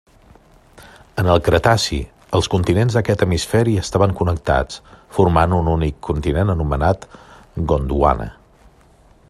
En el Cretaci, els continents d'aquest hemisferi estaven connectats, formant un únic continent anomenat Gondwana.